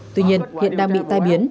tuy nhiên hiện đang bị tai biến